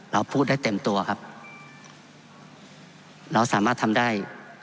เราพูดได้เต็มตัวครับเราสามารถทำได้